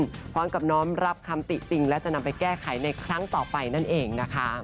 พร้อมกับน้อมรับคำติติงและจะนำไปแก้ไขในครั้งต่อไปนั่นเองนะคะ